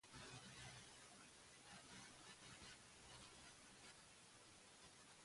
As in classical liberalism, the harm principle comes into play.